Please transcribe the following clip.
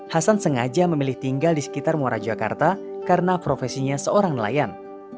hasan sengaja memilih tinggal di sekitar muara jakarta karena profesinya seorang nelayan